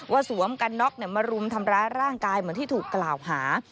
สวมกันน็อกมารุมทำร้ายร่างกายเหมือนที่ถูกกล่าวหา